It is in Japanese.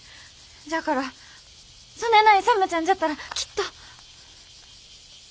じゃあからそねえな勇ちゃんじゃったらきっと。